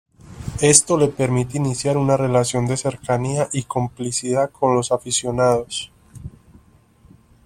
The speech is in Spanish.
Esto le permite iniciar una relación de cercanía y complicidad con los aficionados.